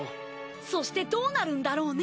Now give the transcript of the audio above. そしてどうなるんだろうね？